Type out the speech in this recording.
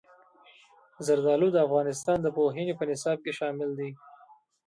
زردالو د افغانستان د پوهنې په نصاب کې شامل دي.